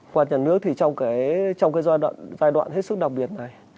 hoặc là nước thì trong cái giai đoạn hết sức đặc biệt này